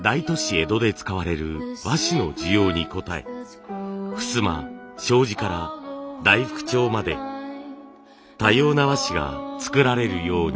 江戸で使われる和紙の需要に応えふすま障子から大福帳まで多様な和紙が作られるように。